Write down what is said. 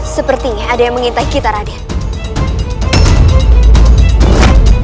sepertinya ada yang mengintai kita raden